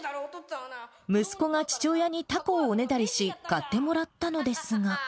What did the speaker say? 息子が父親にたこをおねだりし、買ってもらったのですが。